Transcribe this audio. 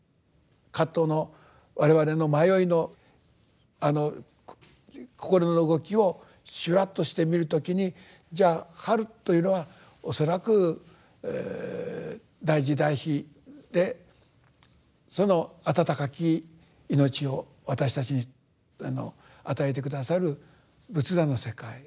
葛藤の我々の迷いの心の動きを「修羅」として見る時にじゃあ「春」というのは恐らく大慈大悲でその温かき命を私たちに与えて下さる仏陀の世界。